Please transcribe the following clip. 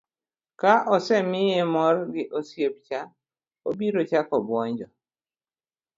ka osemiye mor gi osiep cha, obiro chako buonjo